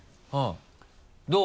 どう？